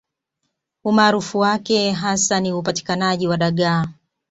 Umaarufu wake hasa ni upatikanaji wa dagaa